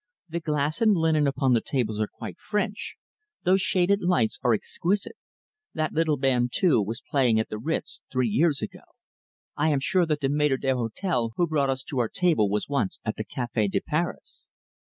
"The glass and linen upon the tables are quite French; those shaded lights are exquisite. That little band, too, was playing at the Ritz three years ago. I am sure that the maitre d'hotel who brought us to our table was once at the Cafe de Paris."